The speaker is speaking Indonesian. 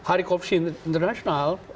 hari korupsi internasional